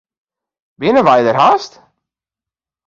Binne wy der hast?